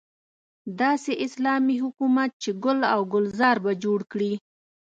داسې اسلامي حکومت چې ګل او ګلزار به جوړ کړي.